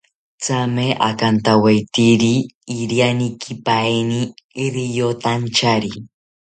Thame akantawetiri irianerikipaeni riyotantyari